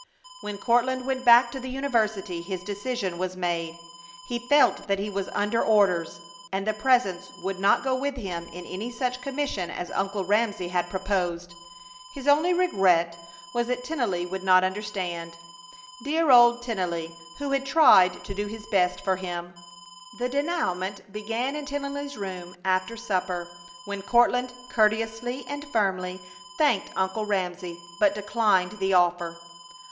When Courtland went back to the university his decision was made. He felt that he was under orders, and the Presence would not go with him in any such commission as Uncle Ramsey had proposed. His only regret was that Tennelly would not understand. Dear old Tennelly, who had tried to do his best for him! The dénouement began in Tennelly's room after supper, when Courtland courteously and firmly thanked Uncle Ramsey, but declined the offer!